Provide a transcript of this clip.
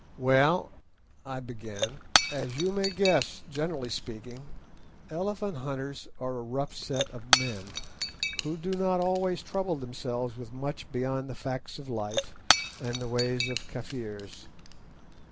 "Well," I began, "as you may guess, generally speaking, elephant hunters are a rough set of men, who do not trouble themselves with much beyond the facts of life and the ways of Kafirs.